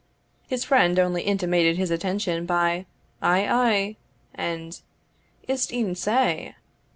His friend only intimated his attention by "Ay, ay!" and "Is't e'en sae?"